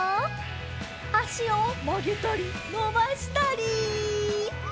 あしをまげたりのばしたり！